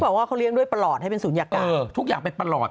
เขาบอกว่าเขาเลี้ยงด้วยปลอดให้เป็นศูนยากาศเออทุกอย่างเป็นปลอด